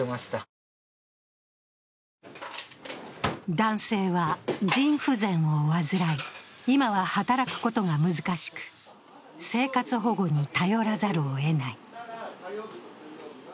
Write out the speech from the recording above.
男性は腎不全を患い、今は働くことが難しく生活保護に頼らざるをえない。